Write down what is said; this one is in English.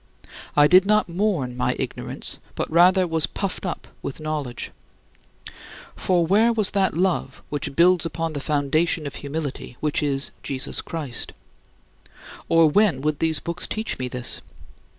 I did not mourn my ignorance, but rather was puffed up with knowledge. For where was that love which builds upon the foundation of humility, which is Jesus Christ? Or, when would these books teach me this?